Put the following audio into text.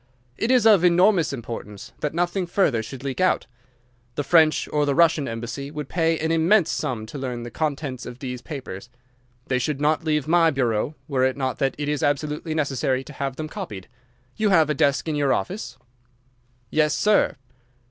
It is of enormous importance that nothing further should leak out. The French or the Russian embassy would pay an immense sum to learn the contents of these papers. They should not leave my bureau were it not that it is absolutely necessary to have them copied. You have a desk in your office?' "'Yes, sir.